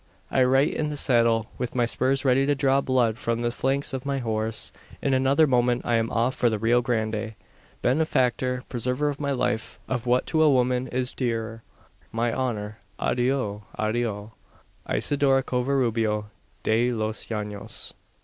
I write in the saddle, with my spurs ready to draw blood from the flanks of my horse. In another moment I am off for the Rio Grande! "Benefactor preserver of my life of what to a woman is dearer my honour adieu! adieu! "Isidora Covarubio De Los Llanos."